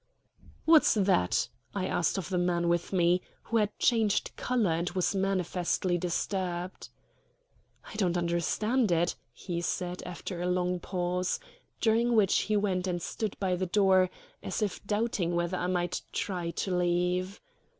"What's that?" I asked of the man with me, who had changed color and was manifestly disturbed. "I don't understand it," he said, after a long pause, during which he went and stood by the door, as if doubting whether I might try to leave.